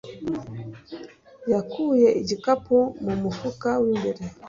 yakuye igikapu mu mufuka w'imbere